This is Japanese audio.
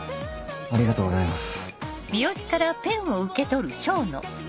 ありがとうございます。